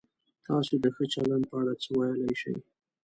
تاسو د ښه چلند په اړه څه ویلای شئ؟